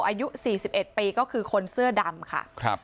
อายุสี่สิบเอ็ดปีก็คือคนเสื้อดำค่ะครับ